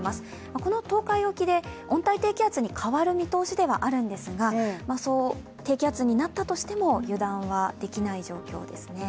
この東海沖で温帯低気圧に変わる見通しではあるんですが低気圧になったとしても、油断はできない状況ですね。